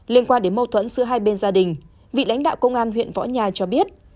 liên quan đến mâu thuẫn giữa hai bên gia đình vị lãnh đạo công an huyện võ nha cho biết